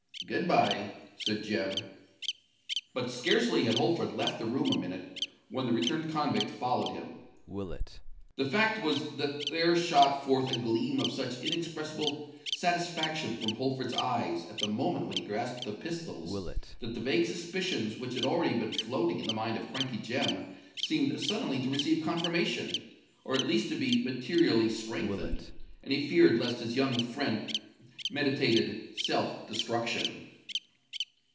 "Good bye," said Jem. But scarcely had Holford left the room a minute, when the returned convict followed him. The fact was that there shot forth a gleam of such inexpressible satisfaction from Holford's eyes, at the moment when he grasped the pistols, that the vague suspicions which had already been floating in the mind of Crankey Jem seemed suddenly to receive confirmation—or at least to be materially strengthened; and he feared lest his young friend meditated self destruction.